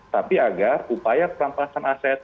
tapi agar upaya perampasan aset